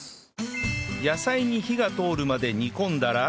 野菜に火が通るまで煮込んだら